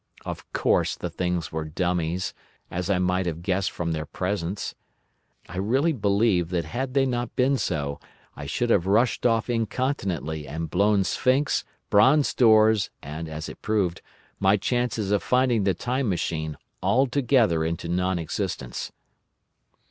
Of course the things were dummies, as I might have guessed from their presence. I really believe that had they not been so, I should have rushed off incontinently and blown Sphinx, bronze doors, and (as it proved) my chances of finding the Time Machine, all together into non existence.